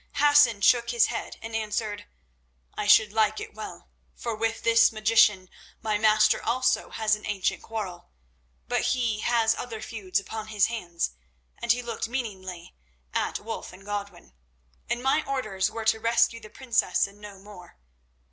Hassan shook his head and answered: "I should like it well, for with this magician my master also has an ancient quarrel. But he has other feuds upon his hands," and he looked meaningly at Wulf and Godwin, "and my orders were to rescue the princess and no more.